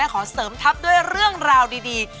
ขอเสริมทัพด้วยเรื่องราวดี